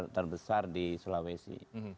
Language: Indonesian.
terbesar di sulawesi